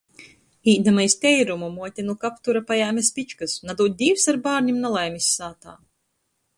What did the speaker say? Īdama iz teirumu, muote nu kaptura pajēme spičkys. Nadūd Dīvs ar bārnim nalaimis sātā!